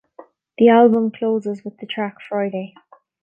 The album closes with the track "Friday".